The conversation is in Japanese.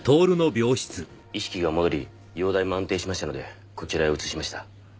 意識が戻り容態も安定しましたのでこちらへ移しました。